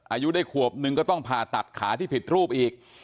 อายุได้ขวบนึงก็ต้องผ่าตัดขาที่ผิดรูปอีก